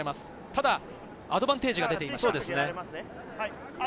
ただアドバンテージが出ています。